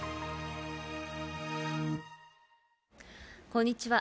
こんにちは。